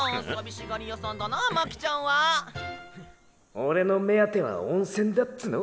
オレの目当ては温泉だっつの！